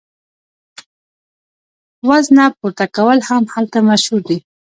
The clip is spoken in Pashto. وزنه پورته کول هم هلته مشهور دي.